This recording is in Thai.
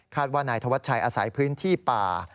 ว่านายธวัชชัยอาศัยพื้นที่ป่า